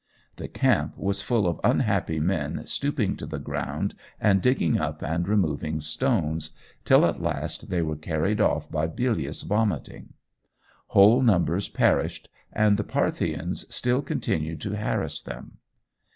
The camp was full of unhappy men stooping to the ground, and digging up and removing stones, till at last they were carried off by bilious vomiting.... Whole numbers perished, and the Parthians still continued to harass them.